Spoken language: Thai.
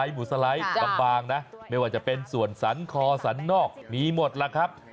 หมูสไลด์บางนะไม่ว่าจะเป็นส่วนสรรคอสันนอกมีหมดล่ะครับ